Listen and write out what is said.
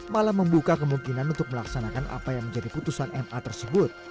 malah membuka kemungkinan untuk melaksanakan apa yang menjadi putusan ma tersebut